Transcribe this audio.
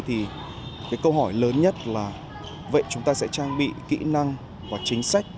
thì cái câu hỏi lớn nhất là vậy chúng ta sẽ trang bị kỹ năng và chính sách